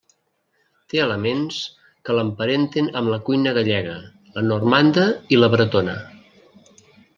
Té elements que l'emparenten amb la cuina gallega, la normanda i la bretona.